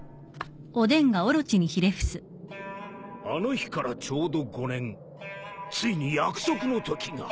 あの日からちょうど５年ついに約束の時が。